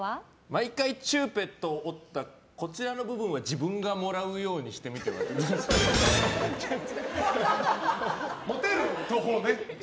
毎回チューペットを折ったこちらの部分は自分がもらうようにしてみては持てるほうね。